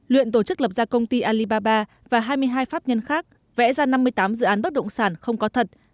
luyện tổ chức lập ra công ty alibaba và hai mươi hai pháp nhân khác vẽ ra năm mươi tám dự án bất động sản không có thật